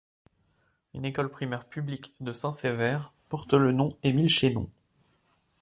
Une école primaire publique de Sainte-Sévère porte le nom Émile Chénon.